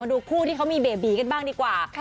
ดูคู่ที่เขามีเบบีกันบ้างดีกว่า